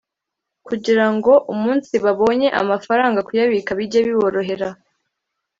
kugira ngo umunsi babonye amafaranga kuyabika bijye biborohera